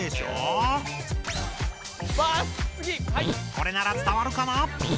これなら伝わるかな？